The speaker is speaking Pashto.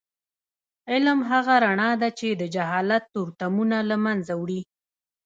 علم هغه رڼا ده چې د جهالت تورتمونه له منځه وړي.